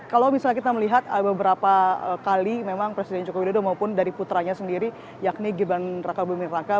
kalau misalnya kita melihat beberapa kali memang presiden joko widodo maupun dari putranya sendiri yakni gibran raka buming raka